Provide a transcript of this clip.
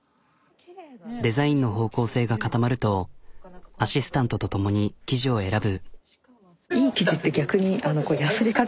デザインの方向性が固まるとアシスタントと共に生地を選ぶ。